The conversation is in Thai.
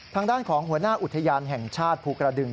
ทางด้านของหัวหน้าอุทยานแห่งชาติภูกระดึง